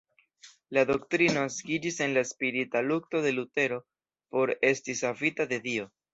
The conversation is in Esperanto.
La doktrino naskiĝis en la spirita lukto de Lutero por esti savita de Dio.